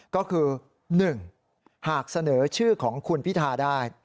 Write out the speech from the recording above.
ก็คือ๑หากเสนอชื่อของคุณพิธาได้